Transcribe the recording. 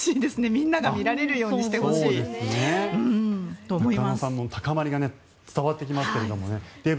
みんなが見られるようにしてほしいと思います。